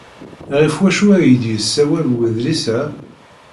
Ɣef wacu ay d-yessawal wedlis-a?